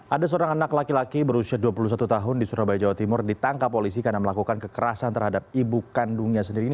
ada seorang anak laki laki berusia dua puluh satu tahun di surabaya jawa timur ditangkap polisi karena melakukan kekerasan terhadap ibu kandungnya sendiri ini